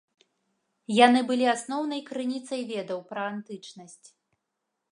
Яны былі асноўнай крыніцай ведаў пра антычнасць.